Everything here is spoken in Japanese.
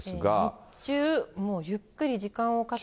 日中、もうゆっくり時間をかけて。